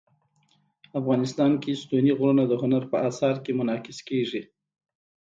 افغانستان کې ستوني غرونه د هنر په اثار کې منعکس کېږي.